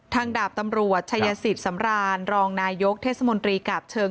ดาบตำรวจชายสิทธิ์สำรานรองนายกเทศมนตรีกาบเชิง